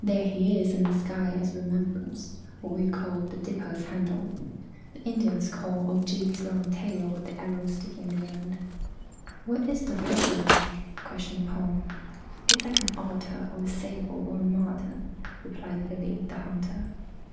"There he is in the sky as a remembrance. What we call the 'Dipper's Handle,' the Indians call Ojeeg's long tail with the arrow sticking in the end." "What is the fisher like?" questioned Paul. "It's like an otter or a sable or a marten," replied Billy, the hunter.